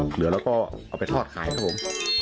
เหลือแล้วก็เอาไปทอดขายครับผม